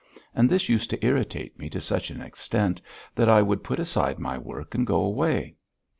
And this used to irritate me to such an extent that I would put aside my work and go away.